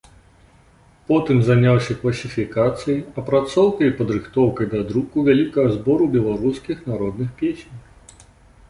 Потым заняўся класіфікацыяй, апрацоўкай і падрыхтоўкай да друку вялікага збору беларускіх народных песень.